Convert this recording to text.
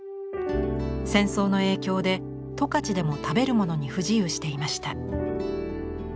戦争の影響で十勝でも食べる物に不自由していました。